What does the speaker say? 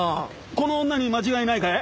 この女に間違いないかい？